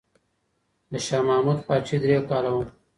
د شاه محمود پاچاهي درې کاله وه.